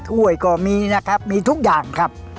ถ้วยก็มีนะครับมีทุกอย่างครับ